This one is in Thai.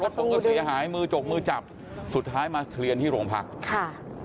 จับกระตูด้วยมือจบมือจับสุดท้ายมาเคลียร์ที่โรงพักษณ์ค่ะ